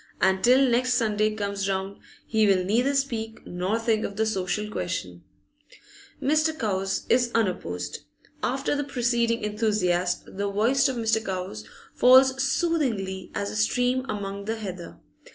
And till next Sunday comes round he will neither speak nor think of the social question. Mr. Cowes is unopposed. After the preceding enthusiast, the voice of Mr. Cowes falls soothingly as a stream among the heather.